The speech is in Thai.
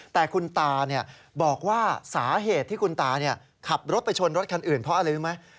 แต่คุณตาบอกว่าสาเหตุที่คุณตาขับรถไปชนรถคันอื่นเพราะอะไรรู้ไหม